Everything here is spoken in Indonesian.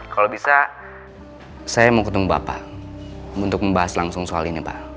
kalau bisa saya mau ketemu bapak untuk membahas langsung soal ini pak